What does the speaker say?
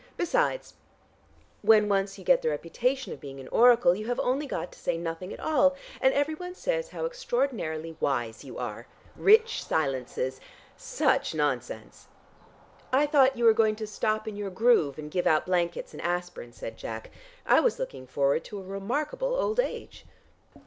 Besides, when once you get the reputation of being an oracle you have only got to say nothing at all, and everyone says how extraordinarily wise you are. Rich silences. Such nonsense!" "I thought you were going to stop in your groove and give out blankets and aspirin," said Jack. "I was looking forward to a remarkable old age."